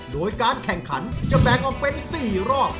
โดยการแข่งขันจะแบ่งออกเป็น๔รอบ